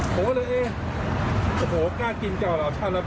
โอ้โหเลยเอ๊ะโอ้โหกล้ากินเจ้าเหล่าทันละแปดสิบ